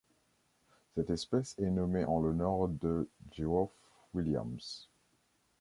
Cette espèce est nommée en l'honneur de Geoff Williams.